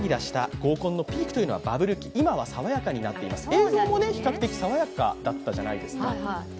映像も比較的爽やかだったじゃないですか。